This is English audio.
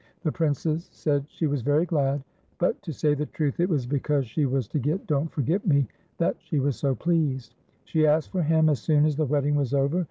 The Princess said she was very glad ; but, to say the truth, it was because she was to get Don't Forget J\Ie that she was so pleased. She asked for him as soon as the wedding was over.